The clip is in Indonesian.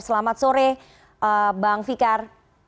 selamat sore bang fikar